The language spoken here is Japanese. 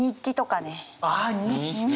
あ日記！